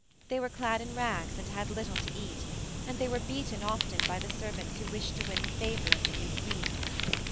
They were clad in rags and had little to eat, and they were beaten often by the servants who wished to win the favor of the new queen.